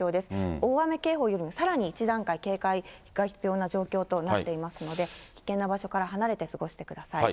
大雨警報よりもさらに１段階警戒が必要な状況となっていますので、危険な場所から離れて過ごしてください。